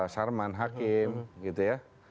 sarman hakim gitu ya